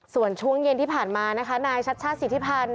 ส่วนช่วงเย็นที่ผ่านมานะคะนายชัชชาติสิทธิพันธ์